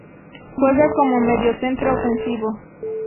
Juega como mediocentro ofensivo.